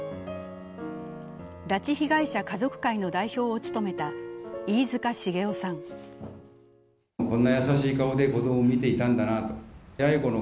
拉致被害者家族会の代表を務めた飯塚繁雄さん。